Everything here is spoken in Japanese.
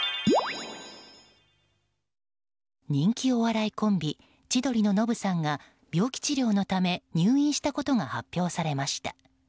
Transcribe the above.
人気お笑いコンビ千鳥のノブさんが病気治療のため入院したことが発表されました。